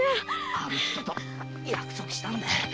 あの人と約束したんだい。